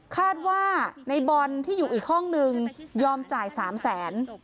คาดว่าในบอลที่อยู่อีกห้องนึงยอมจ่าย๓แสน